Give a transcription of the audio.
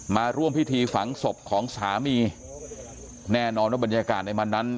มาร่วมพิธีฝังศพของสามีแน่นอนว่าบรรยากาศในวันนั้น